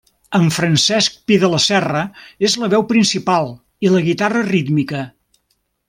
En Francesc Pi de la Serra és la veu principal i la guitarra rítmica.